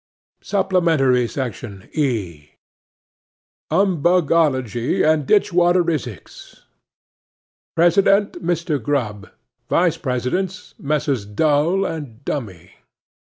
'SUPPLEMENTARY SECTION, E.—UMBUGOLOGY AND DITCHWATERISICS. President—Mr. Grub. Vice Presidents—Messrs. Dull and Dummy.